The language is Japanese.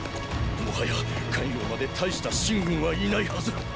もはや咸陽までたいした秦軍はいないはず。